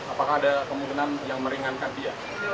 apakah ada kemungkinan yang meringankan dia